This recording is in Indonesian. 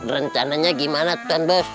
rencananya gimana tuan bos